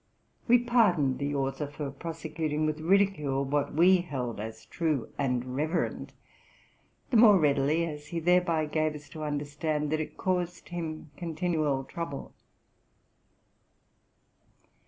We pardoned the author for prosecuting with ridicule what we held as true and reverend, the more readily as he thereby gaye us to understand that it caused him continual trouble.